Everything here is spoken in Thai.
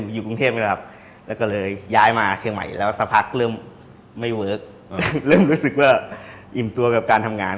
อยู่กรุงเทพนี่แหละครับแล้วก็เลยย้ายมาเชียงใหม่แล้วสักพักเริ่มไม่เวิร์คเริ่มรู้สึกว่าอิ่มตัวกับการทำงาน